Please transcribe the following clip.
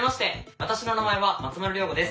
私の名前は松丸亮吾です。